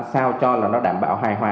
sao cho là nó đảm bảo hài hòa